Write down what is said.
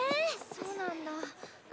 そうなんだ。